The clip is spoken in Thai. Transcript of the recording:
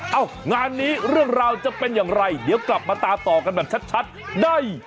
งานนี้เรื่องราวจะเป็นอย่างไรเดี๋ยวกลับมาตามต่อกันแบบชัดได้